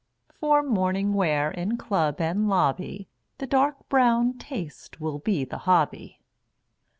For morning wear in club and lobby, The Dark Brown Taste will be the hobby.